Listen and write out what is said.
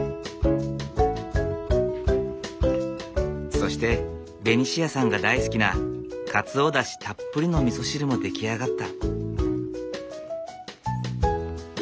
そしてベニシアさんが大好きなかつおだしたっぷりのみそ汁も出来上がった。